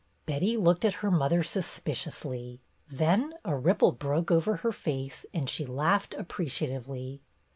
Betty looked at her mother suspiciously. Then a ripple broke over her face, and she laughed appreciatively.